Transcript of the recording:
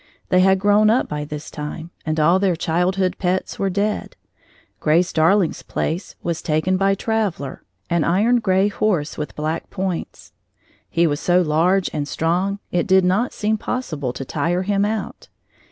They had grown up by this time, and all their childhood pets were dead. Grace Darling's place was taken by Traveller, an iron gray horse with black points. He was so large and strong it did not seem possible to tire him out.